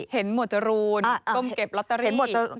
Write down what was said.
เห็นหมวดรูนก้มเก็บลอตเตอรี่